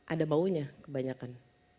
ada maunya kebanyakan